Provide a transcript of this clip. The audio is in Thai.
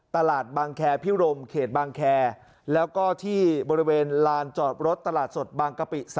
ตลาดบางแคพิรมเขตบางแคแล้วก็ที่บริเวณลานจอดรถตลาดสดบางกะปิ๓